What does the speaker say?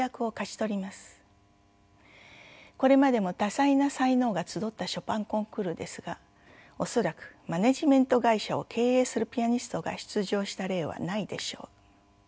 これまでも多彩な才能が集ったショパンコンクールですが恐らくマネジメント会社を経営するピアニストが出場した例はないでしょう。